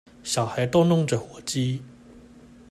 小孩逗弄著火雞